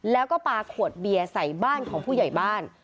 แล้วก็ปลาขวดเบียร์ใส่บ้านของผู้ใหญ่บ้าน